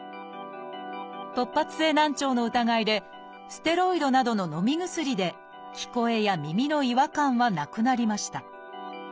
突発性難聴の疑いでステロイドなどののみ薬で聞こえや耳の違和感はなくなりました。